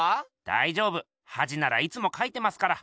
だいじょうぶはじならいつもかいてますから。